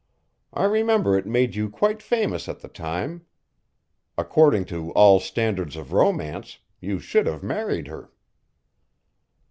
I remember it made you quite famous at the time. According to all standards of romance, you should have married her."